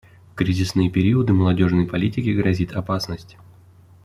В кризисные периоды молодежной политике грозит опасность.